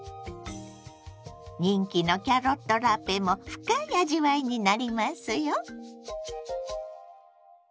人気のキャロットラペも深い味わいになりますよ。